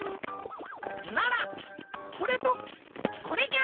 ならこれとこれじゃ！